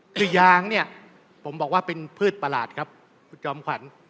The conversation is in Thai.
คือยางเนี่ยผมบอกว่าเป็นพืชประหลาดครับคุณจอมขวัญ